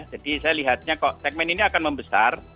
jadi saya lihatnya segmen ini akan membesar